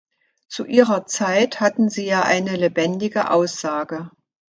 Zu ihrer Zeit hatten sie ja eine lebendige Aussage.